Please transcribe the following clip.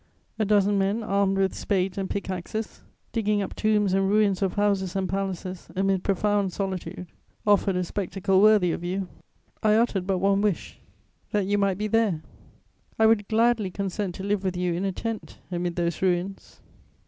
A dozen men armed with spades and pickaxes, digging up tombs and ruins of houses and palaces amid profound solitude, offered a spectacle worthy of you. I uttered but one wish: that you might be there. I would gladly consent to live with you in a tent amid those ruins.